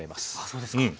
そうですか。